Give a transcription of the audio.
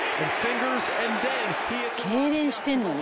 「けいれんしてるのに？」